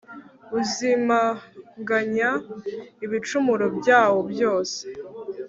uzimanganya ibicumuro byawo byose